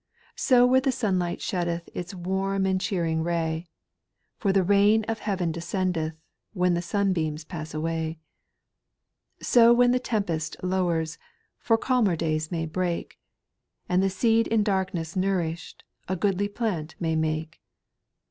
Sow where the sunlight sheddeth Its warm and cheering ray, For the rain of heaven descendeth When the sunbeams pass away. ^ 3. Sow when the tempest lowers. For calmer days may break ; And the seed in darkness nourished, A goodly plant may make.